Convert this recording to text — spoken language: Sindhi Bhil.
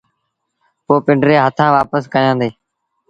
پو پنڊري هٿآݩ وآپس ڪيآݩدي۔